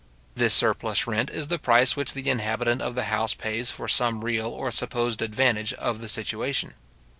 This surplus rent is the price which the inhabitant of the house pays for some real or supposed advantage of the situation.